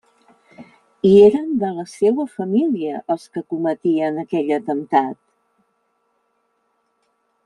I eren de la seua família els que cometien aquell atemptat!